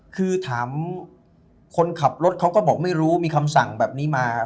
คือถามคนขับรถเขาก็บอกไม่รู้มีคำสั่งแบบนี้มา